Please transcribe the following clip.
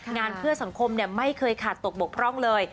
งานเพื่อสังคมไม่เคยขาดตกบกพร่องเลย